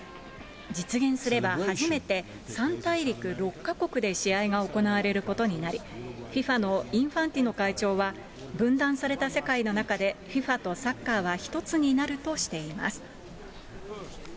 実現すれば、初めて３大陸６か国で試合が行われることになり、ＦＩＦＡのインファンティノ会長は、分断された世界の中で、ＦＩＦＡとサッカーは一つになるとしています。